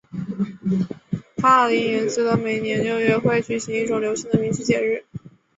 帕林廷斯的每年六月会举行一种流行的民俗节日。